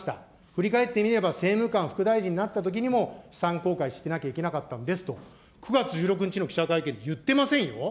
振り返ってみれば政務官副大臣になったときにも、資産公開してなきゃいけなかったんですと、９月１６日の記者会見で言ってませんよ。